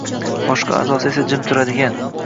boshqa a’zosi esa jim turadigan